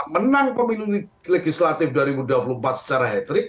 menang pemilu legislatif dua ribu dua puluh empat secara hat trick